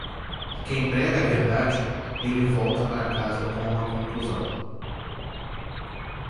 Quem prega a verdade, ele volta para casa com uma contusão.